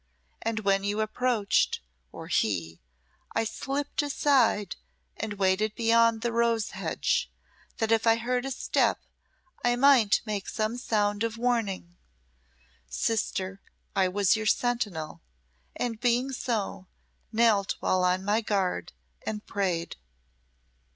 And when you approached or he I slipped aside and waited beyond the rose hedge that if I heard a step, I might make some sound of warning. Sister, I was your sentinel, and being so, knelt while on my guard, and prayed."